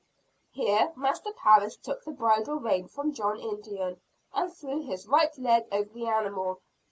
Here Master Parris took the bridle rein from John Indian and threw his right leg over the animal.